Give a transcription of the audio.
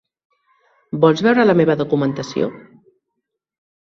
Vols veure la meva documentació?